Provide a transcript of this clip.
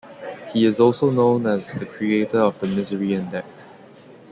He is also known as the creator of the misery index.